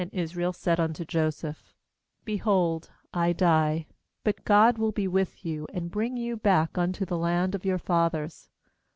Israel said unto Joseph: 'Behold, I die; but God will be with you, and bring you back unto the land of your fathers.